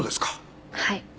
はい。